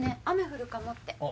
雨降るかもって。